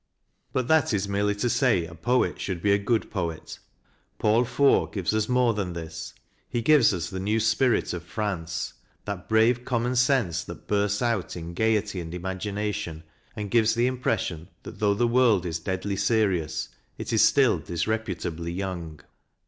But that is merely to say a poet should be a good poet. Paul Fort gives us more than this he gives us the new spirit of France, that brave com mon sense that bursts out in gaiety and imagination, and gives the impression that though the world is deadly serious it is still disreputably young.